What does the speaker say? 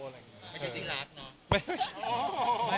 ไม่ได้ถึงจริงรักเนอะ